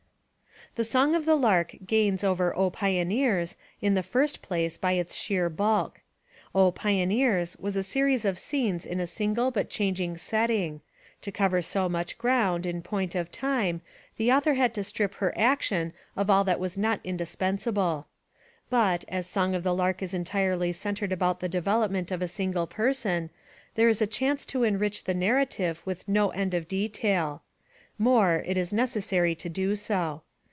The Song of the Lark gains over O Pioneers! in the first place by its sheer bulk. O Pioneers! was a series of scenes in a single but changing setting; to cover so much ground, in point of time, the author had to strip her action of all that was not indispensable. But as The Song of the Lark is entirely centered about the development of a single person there is a chance to enrich the narrative with no end of detail; more, it is necessary to do so.